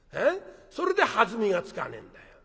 それで弾みがつかねえんだよ。